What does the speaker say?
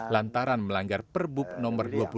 lantaran melanggar perbuk nomor